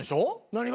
何が？